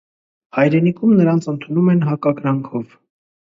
Հայրենիքում նրանց ընդունում են հակակրանքով։